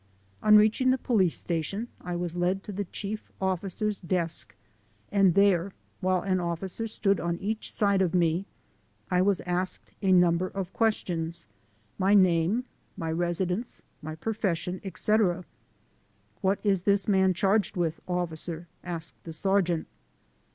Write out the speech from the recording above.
On reaching the police station, I was led to the chief officer's desk and there, while an officer stood on each side of me, I was asked a number of questions : my name, my residence, my profession, etc. "What is this man charged with, officer?" asked the sergeant.